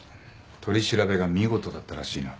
取り調べが見事だったらしいな。